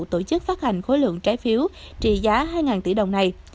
tổ chức phát hành khối lượng trái phiếu trị giá hai tỷ đồng này